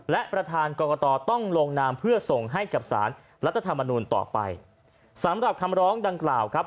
และประธานกรกตต้องลงนามเพื่อส่งให้กับสารรัฐธรรมนูลต่อไปสำหรับคำร้องดังกล่าวครับ